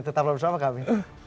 tetap bersama kami